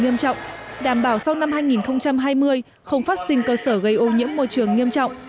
nghiêm trọng đảm bảo sau năm hai nghìn hai mươi không phát sinh cơ sở gây ô nhiễm môi trường nghiêm trọng